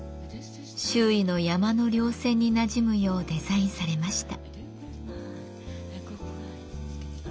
周囲の山の稜線になじむようデザインされました。